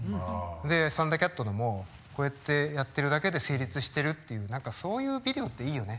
でサンダーキャットのもこうやってやってるだけで成立してるっていう何かそういうビデオっていいよね。